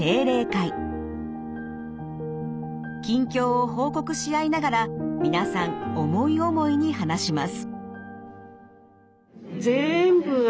近況を報告し合いながら皆さん思い思いに話します。